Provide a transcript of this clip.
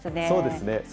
そうですね。